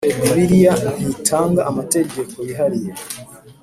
bibiliya ntitanga amategeko yihariye